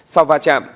sau va trạm